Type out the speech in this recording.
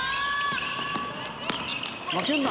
負けんな！